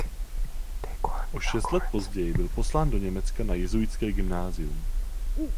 O šest let později byl poslán do Německa na jezuitské gymnázium.